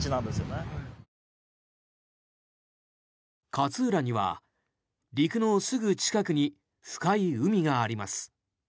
勝浦には陸のすぐ近くに深い海があります。